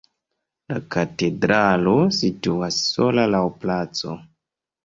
La katedralo situas sola laŭ placo.